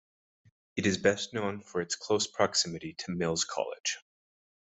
It is best known for its close proximity to Mills College.